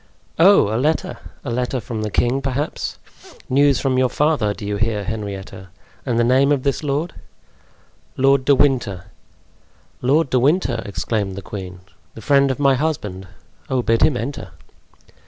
"Oh, a letter! a letter from the king, perhaps. News from your father, do you hear, Henrietta? And the name of this lord?" "Lord de Winter." "Lord de Winter!" exclaimed the queen, "the friend of my husband. Oh, bid him enter!"